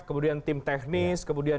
kemudian tim teknis kemudian